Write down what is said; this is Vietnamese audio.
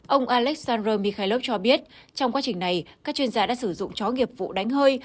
ông alexander mikhailk cho biết trong quá trình này các chuyên gia đã sử dụng chó nghiệp vụ đánh hơi